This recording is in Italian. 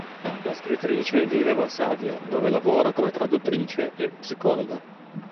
La scrittrice vive a Varsavia, dove lavora come traduttrice e psicologa.